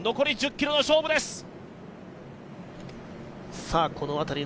残り１０ｋｍの勝負です。